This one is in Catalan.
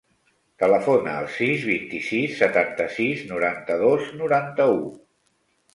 Telefona al sis, vint-i-sis, setanta-sis, noranta-dos, noranta-u.